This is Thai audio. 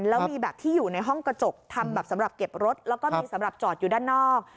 แล้วมีแบบที่อยู่ในห้องกระจกทำแบบสำหรับเก็บรถแล้วก็มีสำหรับจอดอยู่ด้านนอก